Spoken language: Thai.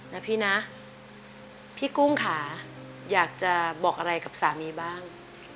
นะพี่นะพี่กุ้งค่ะอยากจะบอกอะไรกับสามีบ้าง